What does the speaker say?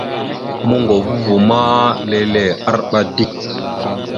Moŋgovo ava ma lele, arəba dik.